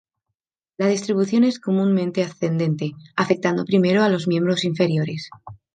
La distribución es comúnmente ascendente, afectando primero a los miembros inferiores.